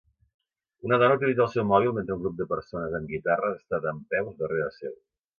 Una dona utilitza el seu mòbil mentre un grup de persones amb guitarres està dempeus darrere seu.